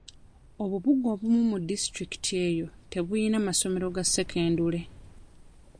Obubuga obumu mu disitulikiti eyo tebuyina masomero ga sekendule.